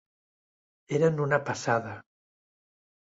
Eren una passada.